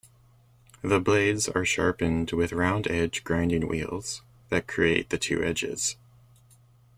The blades are sharpened with round-edged grinding wheels that create the two edges.